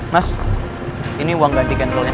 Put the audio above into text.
mas ini uang ganti kontrolnya